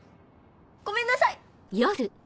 ・ごめんなさい！